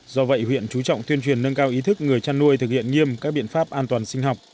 do vậy huyện chú trọng tuyên truyền nâng cao ý thức người chăn nuôi thực hiện nghiêm các biện pháp an toàn sinh học